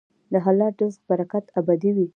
د حلال رزق برکت ابدي وي.